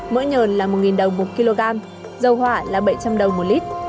mỡ nhờn là một đồng một kg dầu hỏa là bảy trăm linh đồng một lít